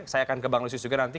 saya akan ke bang lusius juga nanti